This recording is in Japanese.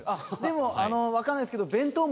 でも分かんないですけど。